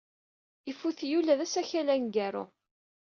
Ifut-iyi ula d asakal aneggaru.